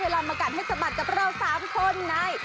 ได้เวลามาการให้สบัตรกับเราสามคนใน